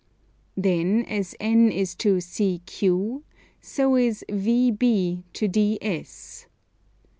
Then as N is to CQ, so is VB to DS.